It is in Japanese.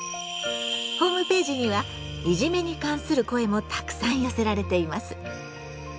ホームページには「いじめ」に関する声もたくさん寄せられています。